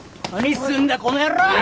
何すんだこの野郎！